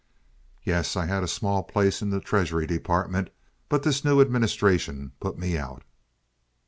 "Yes, I had a small place in the Treasury Department, but this new administration put me out."